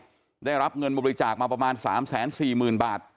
ได้รับเงินบริจาคมาประมาณ๓๔๐๐๐บาท